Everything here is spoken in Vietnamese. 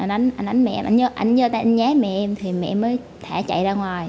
anh đánh mẹ em anh nhớ anh nhá mẹ em thì mẹ mới thả chạy ra ngoài